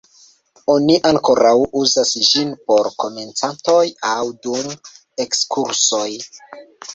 Oni ankoraŭ uzas ĝin por komencantoj aŭ dum ekskursoj.